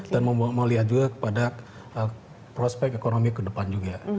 dan melihat juga pada prospek ekonomi ke depan juga